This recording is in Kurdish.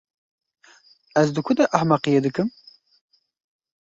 Ez di ku de ehmeqiyê dikim?